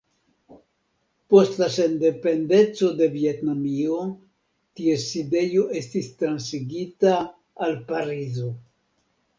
Post la sendependeco de Vjetnamio, ties sidejo estis transigita al Parizo.